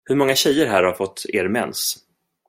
Hur många tjejer här har fått er mens?